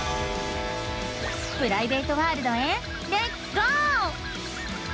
プライベートワールドへレッツゴー！